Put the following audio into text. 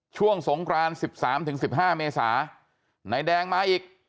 ช่วงสงกรานสิบสามถึงสิบห้าเมษานายแดงมาอีก